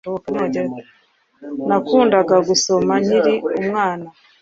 Nakundaga gusoma nkiri umwana